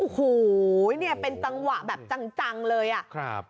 โอ้โหเนี่ยเป็นจังหวะแบบจังเลยอ่ะครับ